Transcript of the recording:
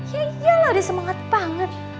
yaiyalah dia semangat banget